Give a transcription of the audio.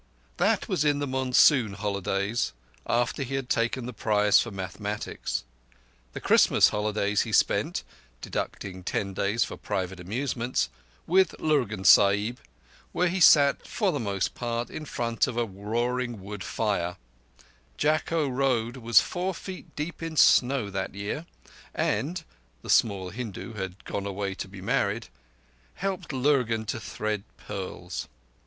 That was in the monsoon holidays, after he had taken the prize for mathematics. The Christmas holidays he spent—deducting ten days for private amusements—with Lurgan Sahib, where he sat for the most part in front of a roaring wood fire—Jakko road was four feet deep in snow that year—and—the small Hindu had gone away to be married—helped Lurgan to thread pearls.